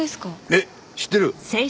えっ知ってる？